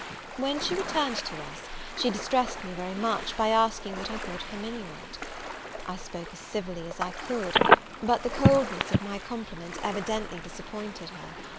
When she returned to us, she distressed me very much, by asking what I thought of her minuet. I spoke as civilly as I could; but the coldness of my compliment evidently disappointed her.